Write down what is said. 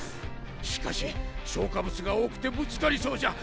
しかし消化物が多くてぶつかりそうじゃ。